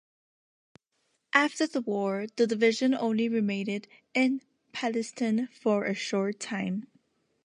After the war the division only remained in Palestine for a short time.